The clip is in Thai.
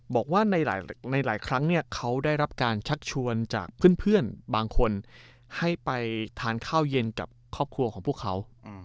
บอกว่าในหลายครั้งเขาได้รับการชักชวนจากเพื่อนบางคนให้ไปทานข้าวเย็นกับครอบครัวของพวกเขา